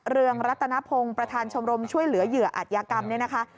เรืองรัตนพงศ์ประธานชมรมช่วยเหลือเหยื่ออัตยากรรมเนี่ยนะคะ